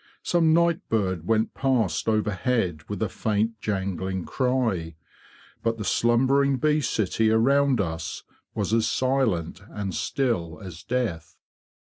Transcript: Some night bird went past overhead with a faint jangling cry. But the slumbering bee city around us was as silent and still as death.